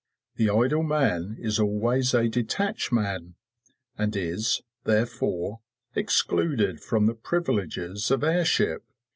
The idle man is always a detached man, and is, therefore, excluded from the privileges of heirship.